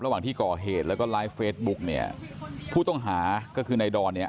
ระหว่างที่ก่อเหตุแล้วก็ไลฟ์เฟซบุ๊กเนี่ยผู้ต้องหาก็คือในดอนเนี่ย